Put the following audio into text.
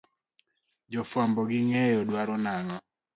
Jo fuambo gikeyo dwaro nang'o.